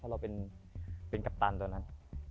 เพราะเราเป็นกัปตันตัวนั้น